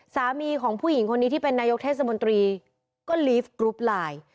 สามีของผู้หญิงคนนี้ที่เป็นนายกเทศมนตรีก็ลีฟกรุ๊ปไลน์